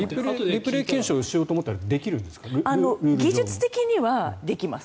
リプレー検証しようと思ったら技術的にはできます。